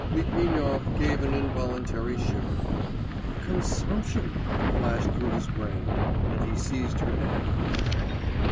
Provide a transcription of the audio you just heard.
Litvinov gave an involuntary shiver. 'Consumption!' flashed through his brain, and he seized her hand.